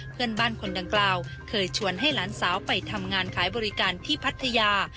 เพื่อนบ้านคนดังกล่าวเคยชวนให้หลานสาวไปทำงานขายบริการที่พัทยา